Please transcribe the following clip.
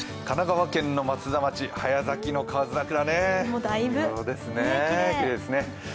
神奈川県の松田町、早咲きの河津桜ですね。